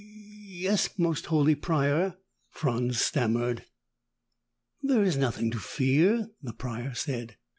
"Y yes, Most Holy Prior," Franz stammered. "There is nothing to fear," the Prior said.